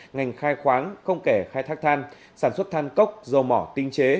ngành khai khoáng không kể khai thác than sản xuất than cốc dầu mỏ tinh chế